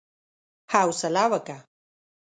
حوصله وکه!